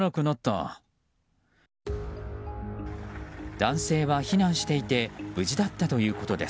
男性は避難していて無事だったということです。